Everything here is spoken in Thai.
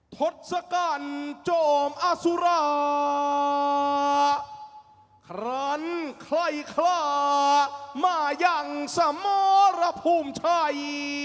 ทศกัณฐ์โจมอสุราครันไคร่คลามายังสมรภูมิชัย